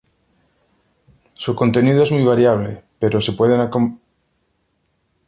Su contenido es muy variable, pero se acompañan casi siempre de malestar subjetivo.